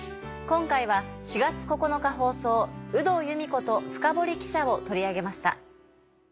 今回は４月９日放送『有働由美子とフカボリ記者』を取り上げました。